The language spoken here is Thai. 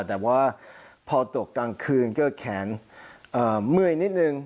แต่ว่าพอตกกลางคืนก็แขนเมื่อยนิดนึง